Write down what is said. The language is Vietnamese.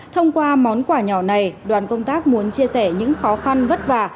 thông qua món quà nhỏ này đoàn công tác muốn chia sẻ những khó khăn vất vả